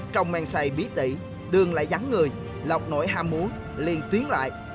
trong men xài bí tỉ đường lại dắn người lọc nổi ham muốn liền tiến lại